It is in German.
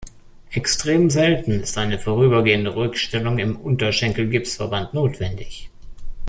Extrem selten ist eine vorübergehende Ruhigstellung im Unterschenkel-Gipsverband notwendig.